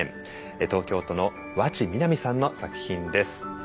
東京都の和智南生さんの作品です。